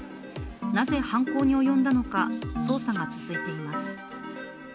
なぜ犯行に及んだのか、捜査が続いています。